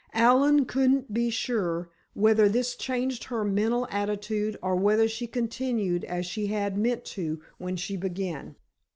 Allen couldn't be sure whether this changed her mental attitude or whether she continued as she had meant to when she began.